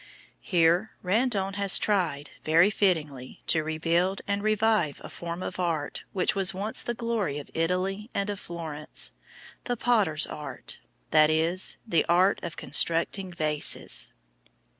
Here Randone has tried, very fittingly, to rebuild and revive a form of art which was once the glory of Italy and of Florence–the potter's art, that is, the art of constructing vases.